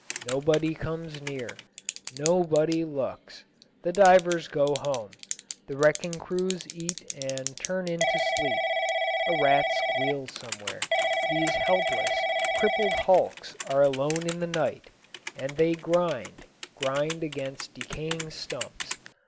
Nobody comes near. Nobody looks. The divers go home. The wrecking crews eat and turn in to sleep. A rat squeals somewhere. These helpless, crippled hulks are alone in the night, and they grind, grind against decaying stumps.